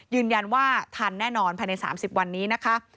ยืนยันทันแน่นอนภายใน๓๐วันนี้นะคะ